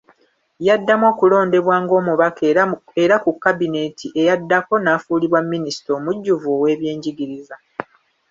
Yaddamu okulondebwa ng’omubaka era ku kabineeti eyaddako n’afuulibwa Minisita omujjuvu ow’ebyenjigiriza.